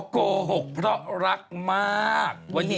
โกหกเพราะรักมาก